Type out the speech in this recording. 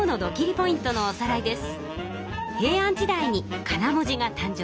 ポイントのおさらいです。